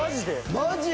マジ！？